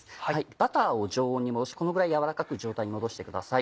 バターを常温に戻してこのぐらい軟らかく状態に戻してください。